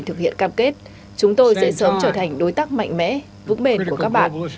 thực hiện cam kết chúng tôi sẽ sớm trở thành đối tác mạnh mẽ vững bền của các bạn